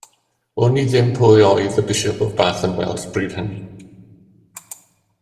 Wn i ddim pwy oedd The Bishop of Bath and Wells bryd hynny.